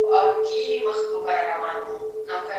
هغه وویل چې ټولنیز درزونه خطرناک دي.